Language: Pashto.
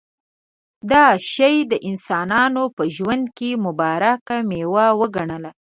دا شی د انسانانو په ژوند کې مبارکه مېوه وګڼله.